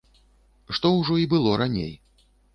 Што ўжо і было раней.